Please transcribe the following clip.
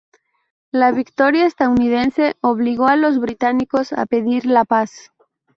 La victoria estadounidense obligó a los británicos a pedir la paz.